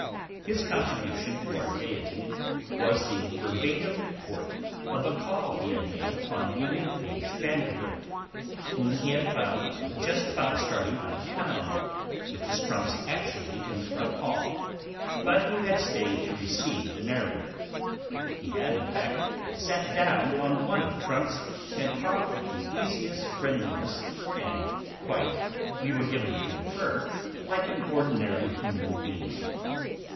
His contribution to our gaiety was the verbatim report of a call he had made upon William H. Vanderbilt, whom he had found just about starting out of town, with his trunks actually in the front hall, but who had stayed to receive the narrator. He had, in fact, sat down on one of the trunks, and talked with the easiest friendliness, and quite, we were given to infer, like an ordinary human being.